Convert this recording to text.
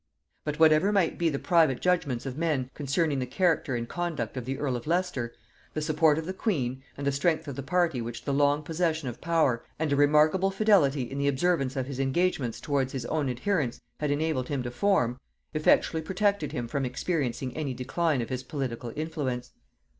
But whatever might be the private judgements of men concerning the character and conduct of the earl of Leicester; the support of the queen, and the strength of the party which the long possession of power, and a remarkable fidelity in the observance of his engagements towards his own adherents, had enabled him to form, effectually protected him from experiencing any decline of his political influence.